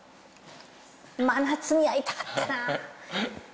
真夏に会いたかったな。